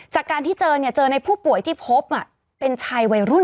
จากการที่เจอเนี่ยเจอในผู้ป่วยที่พบเป็นชายวัยรุ่น